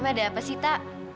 ada apa sih tak